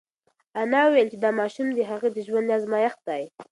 انا وویل چې دا ماشوم د هغې د ژوند ازمېښت دی.